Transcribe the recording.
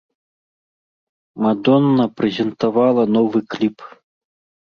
Мадонна прэзентавала новы кліп.